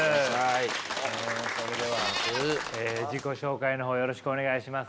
それでは自己紹介の方よろしくお願いします。